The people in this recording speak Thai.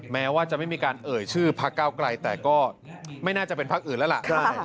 แม้ว่าจะไม่มีการเอ่ยชื่อพักเก้าไกลแต่ก็ไม่น่าจะเป็นพักอื่นแล้วล่ะ